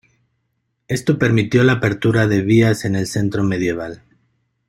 Esto permitió la apertura de vías en el centro medieval.